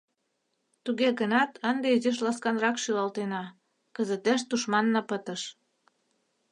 Туге гынат ынде изиш ласканрак шӱлалтена: кызытеш тушманна пытыш.